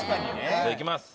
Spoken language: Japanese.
じゃあいきます。